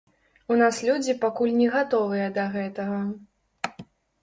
У нас людзі пакуль не гатовыя да гэтага.